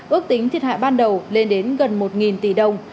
ước tính thiệt hại ban đầu lên đến gần một tỷ đồng